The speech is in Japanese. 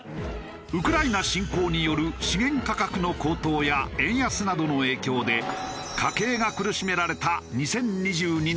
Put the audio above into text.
ウクライナ侵攻による資源価格の高騰や円安などの影響で家計が苦しめられた２０２２年。